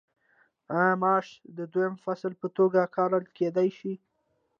آیا ماش د دویم فصل په توګه کرل کیدی شي؟